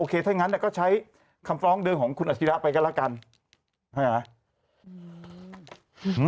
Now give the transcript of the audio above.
ถ้างั้นเนี่ยก็ใช้คำฟ้องเดิมของคุณอาชิระไปก็แล้วกันใช่ไหม